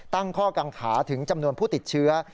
ตั้งข้อกังขาถึงจำนวนผู้ติดเชื้อ